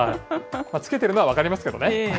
つけてるのは分かりますけどね。